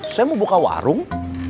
saya mau buka warung